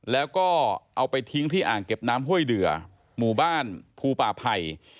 แล้วก็เอาไปทิ้งที่อ่างเก็บน้ำห้วยเดือหมู่บ้านภูป่าไผ่